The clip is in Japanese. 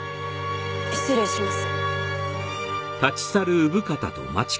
失礼します。